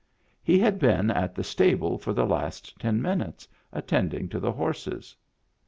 He had been at the stable for the last ten minutes, attending to the horses.